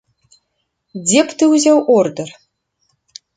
Дзе б ты ўзяў ордэр?